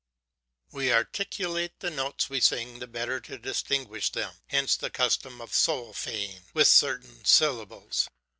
We articulate the notes we sing the better to distinguish them; hence the custom of sol faing with certain syllables.